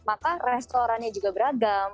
maka restorannya juga beragam